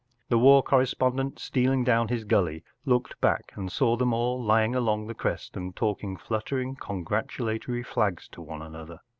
The war correspondent stealing down his gully looked back and saw them all lying along the crest and talking fluttering con¬ gratulatory flags to one another.